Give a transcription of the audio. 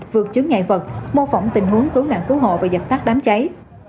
vượt chứng ngại vật mô phỏng tình huống cứu nạn cứu hộ và dập tắt đám cháy